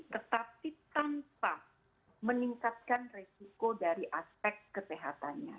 tetapi tanpa meningkatkan resiko dari aspek kesehatannya